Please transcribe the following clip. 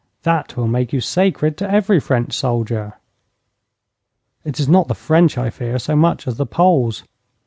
That will make you sacred to every French soldier.' 'It is not the French I fear so much as the Poles.'